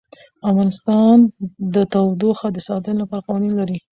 افغانستان د تودوخه د ساتنې لپاره قوانین لري.